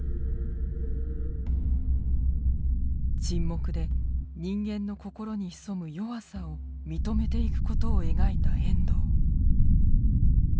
「沈黙」で人間の心に潜む弱さを認めていくことを描いた遠藤。